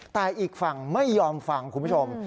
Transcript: แต่อีกฝั่งไม่ยอมฟังคุณผู้ชม